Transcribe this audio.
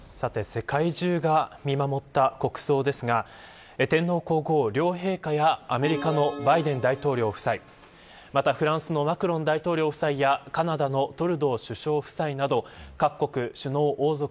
世界中が見守った国葬ですが天皇皇后両陛下やアメリカのバイデン大統領夫妻またフランスのマクロン大統領夫妻やカナダのトルドー首相夫妻など各国首脳王族